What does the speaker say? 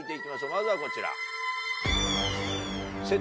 まずはこちら。